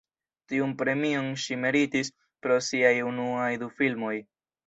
Tiun premion ŝi meritis pro siaj unuaj du filmoj.